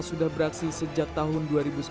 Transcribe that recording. sudah beraksi sejak tahun dua ribu sembilan belas